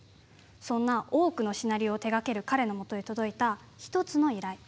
そんな多くのシナリオを手がける彼のもとへ届いた、１つの依頼。